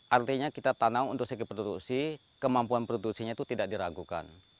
artinya kita tanam untuk segi produksi kemampuan produksinya itu tidak diragukan